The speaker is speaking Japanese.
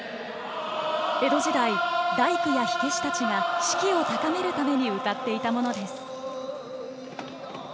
江戸時代、大工や火消したちが士気を高めるために歌っていたものです。